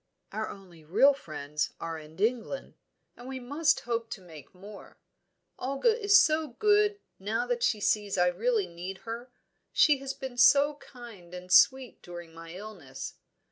Our only real friends are in England, and we must hope to make more. Olga is so good, now that she sees that I really need her. She has been so kind and sweet during my illness."